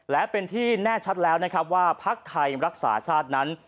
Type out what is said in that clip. และเป็นที่แน่ชัดแล้วนะครับว่าพักไทยรักษาชาตินั้น